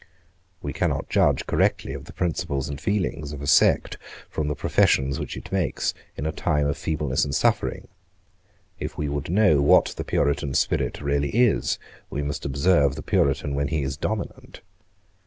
We cannot judge correctly of the principles and feelings of a sect from the professions which it makes in a time of feebleness and suffering. If we would know what the Puritan spirit really is, we must observe the Puritan when he is dominant.